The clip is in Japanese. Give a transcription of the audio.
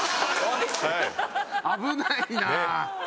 危ないなあ。